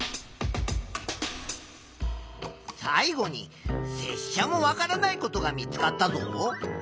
最後にせっしゃもわからないことが見つかったぞ。